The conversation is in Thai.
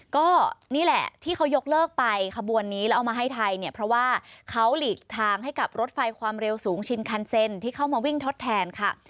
ก็นี่แหละที่เขายกเลิกไปขบวนนี้แล้วเอามาให้ไทยเนี่ยเพราะว่าเขาหลีกทางให้กับรถไฟความเร็วสูงชินคันเซ็นที่เข้ามาวิ่งทดแทนค่ะ